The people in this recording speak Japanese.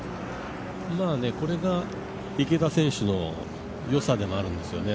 これが池田選手のよさでもあるんですよね。